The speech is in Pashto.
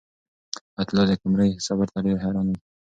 حیات الله د قمرۍ صبر ته ډېر حیران و.